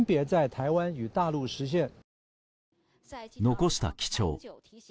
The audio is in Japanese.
残した記帳。